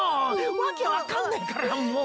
訳分かんねえからもう。